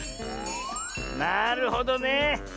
なるほどね。